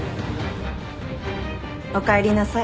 おかえりなさい。